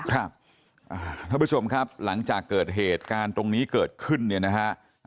ท่านผู้ชมครับหลังจากเกิดเหตุการณ์ตรงนี้เกิดขึ้นเนี่ยนะฮะ